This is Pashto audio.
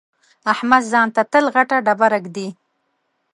احمد ځان ته تل غټه ډبره اېږدي.